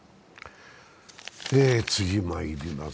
次、まいります。